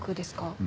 うん。